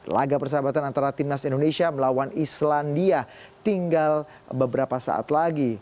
laga persahabatan antara timnas indonesia melawan islandia tinggal beberapa saat lagi